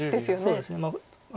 そうですね。